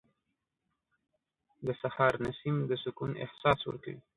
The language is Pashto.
• د سهار نسیم د سکون احساس ورکوي.